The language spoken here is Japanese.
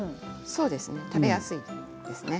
そうですね食べやすいですね。